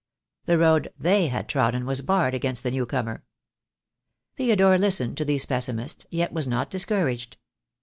The road they had trodden was barred against the new comer. Theodore listened to these pessimists, yet was not dis couraged.